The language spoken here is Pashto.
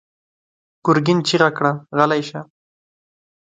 ګرګين چيغه کړه: غلی شه!